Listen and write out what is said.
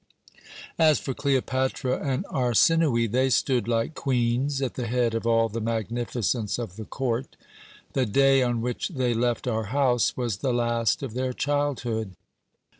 "As for Cleopatra and Arsinoë, they stood like queens at the head of all the magnificence of the court. The day on which they left our house was the last of their childhood.